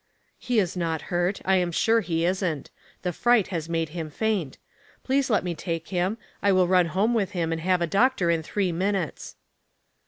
*' He is not hurt. I am sure he isn't. The fright has made him faint. Please let me take him. I will run home with him and have a doctor in three minutes."